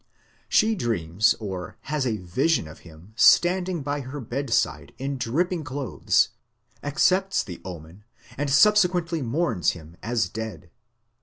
She dreams or has a vision of him standing by her bedside in dripping clothes, accepts the omen, and subsequently mourns him as dead.